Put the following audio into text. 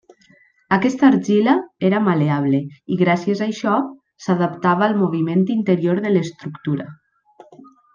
Aquesta argila era mal·leable i gràcies a això s'adaptava al moviment interior de l'estructura.